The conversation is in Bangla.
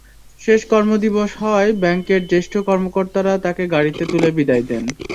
শেষ কর্মদিবস হওয়ায় ব্যাংকের জ্যেষ্ঠ কর্মকর্তারা তাঁকে গাড়িতে তুলে বিদায় দেন।